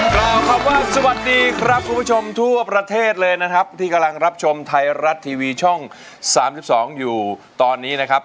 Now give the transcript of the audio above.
กล่าวขอบคุณสวัสดีครับคุณผู้ชมทั่วประเทศเลยนะครับที่กำลังรับชมไทยรัฐทีวีช่อง๓๒อยู่ตอนนี้นะครับ